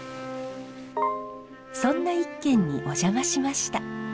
そんな一軒にお邪魔しました。